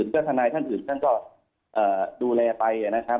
ไปก็ทะนายท่านอื่นก่อนดูแลไป